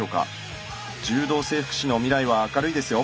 柔道整復師の未来は明るいですよ。